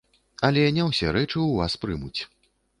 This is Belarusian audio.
Але не ўсе рэчы ў вас прымуць.